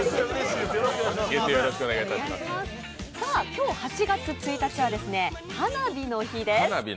今日８月１日は花火の日です。